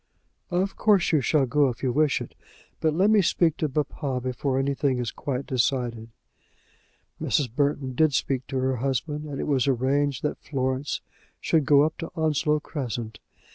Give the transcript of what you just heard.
"Of course you shall go if you wish it; but let me speak to papa before anything is quite decided." Mrs. Burton did speak to her husband, and it was arranged that Florence should go up to Onslow Crescent.